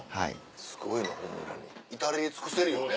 すごいホンマに至れり尽くせりよね。